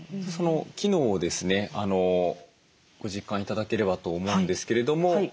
その機能をですねご実感頂ければと思うんですけれども。